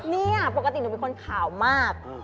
เนี่ยปกติหนูเป็นคนขาวมาก